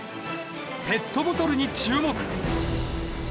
ペットボトルに注目！